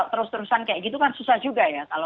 terus terusan kayak gitu kan susah juga ya